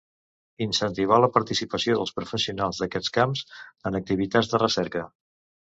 Incentivar la participació dels professionals d'aquests camps en activitats de recerca.